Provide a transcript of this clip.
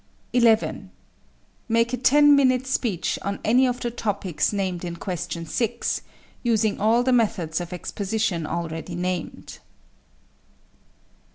11. Make a ten minute speech on any of the topics named in question 6, using all the methods of exposition already named.